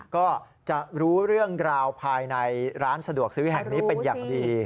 ก็จะรู้เรื่องราวภายในร้านสะดวกซื้อแห่งนี้เป็นอย่างดี